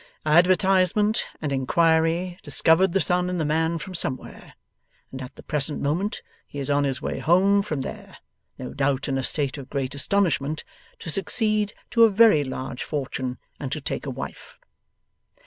Advertisement and inquiry discovered the son in the man from Somewhere, and at the present moment, he is on his way home from there no doubt, in a state of great astonishment to succeed to a very large fortune, and to take a wife.